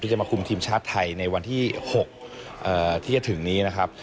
จะมาคุมทีมชาติไทยในวันที่๖ที่จะถึงนี้นะครับ